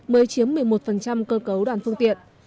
mới chiếm một mươi một cơ cấu đoàn phương tiện